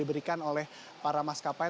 diberikan oleh para maskapai